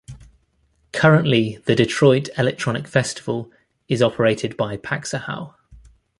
Currently, the Detroit Electronic Festival is operated by Paxahau.